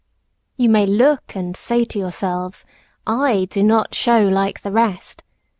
You may look and say to yourselves, I do Not show like the rest.